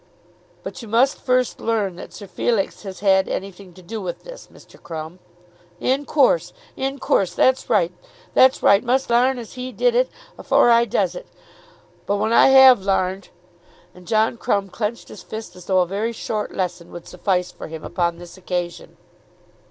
"But you must first learn that Sir Felix has had anything to do with this, Mr. Crumb." "In coorse; in coorse. That's right. That's right. Must l'arn as he did it, afore I does it. But when I have l'arned!" And John Crumb clenched his fist as though a very short lesson would suffice for him upon this occasion.